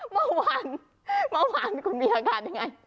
เมื่อวานคุณมีอากาศยังไง